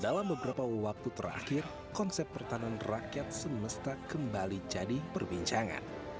dalam beberapa waktu terakhir konsep pertahanan rakyat semesta kembali jadi perbincangan